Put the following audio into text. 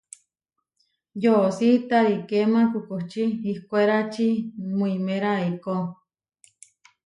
Yoʼosí tarikéma kukučí ihkwérači muiméra eikó.